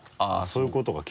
そういうことか。